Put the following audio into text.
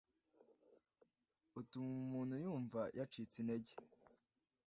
utuma umuntu yumva yacitse intege.